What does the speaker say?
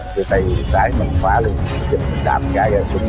thì tay trái mình phá lên